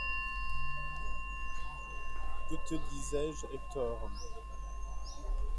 Que te disais-je, Hector?